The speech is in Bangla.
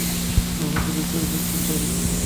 ঐ হচ্ছে বিস্তারের সব চেয়ে সহজ উপায়।